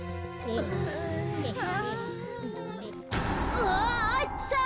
うわあった！